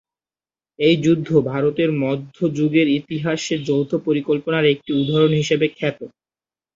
এই যুদ্ধ ভারতের মধ্য যুগের ইতিহাসে যৌথ পরিকল্পনার একটি উদাহরণ হিসেবে খ্যাত।